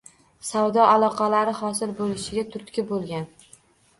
Savdo aloqalari hosil boʻlishiga turtki bo’lgan.